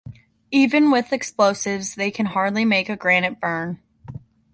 Even with explosives, they can hardly make a granite burn.